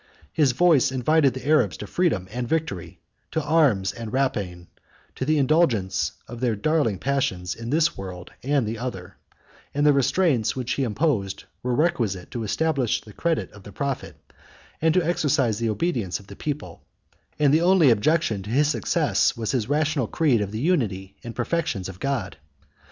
His voice invited the Arabs to freedom and victory, to arms and rapine, to the indulgence of their darling passions in this world and the other: the restraints which he imposed were requisite to establish the credit of the prophet, and to exercise the obedience of the people; and the only objection to his success was his rational creed of the unity and perfections of God.